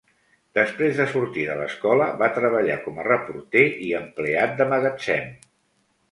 Després de sortir de l"escola, va treballar com a reporter i empleat de magatzem.